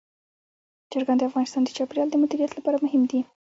چرګان د افغانستان د چاپیریال د مدیریت لپاره مهم دي.